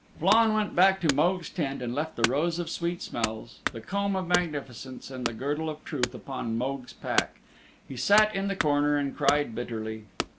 Flann went back to Mogue's tent and left the Rose of Sweet Smells, the Comb of Magnificence and the Girdle of Truth upon Mogue's pack. He sat in the corner and cried bitterly.